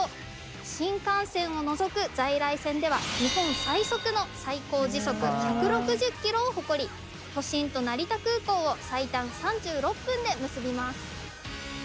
新幹線を除く在来線では日本最速の最高時速１６０キロを誇り都心と成田空港を最短３６分で結びます。